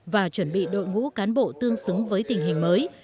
và chuẩn bị đội ngũ cán bộ tương xứng với tình hình mới